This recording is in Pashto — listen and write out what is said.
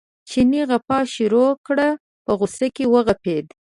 چیني غپا شروع کړه په غوسه کې وغپېد.